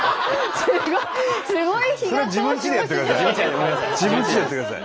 それは自分ちでやってください。